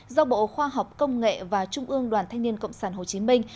do bộ khoa học công nghệ và trung ương đoàn thanh niên cộng sản hồ chí minh